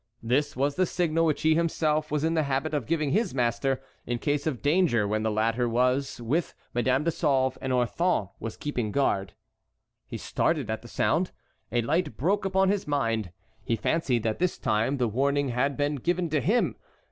This was the signal which he himself was in the habit of giving his master in case of danger when the latter was with Madame de Sauve and Orthon was keeping guard. He started at the sound; a light broke upon his mind; he fancied that this time the warning had been given to him.